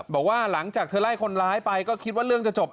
บอกว่าหลังจากเธอไล่คนร้ายไปก็คิดว่าเรื่องจะจบ